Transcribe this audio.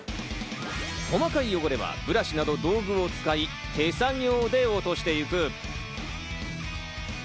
細かい汚れはブラシなどの道具を使い、手作業で落としてゆく。